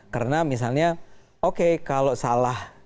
karena misalnya oke kalau salah